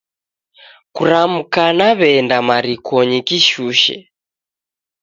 Kuramka naw'eenda marikonyi kishushe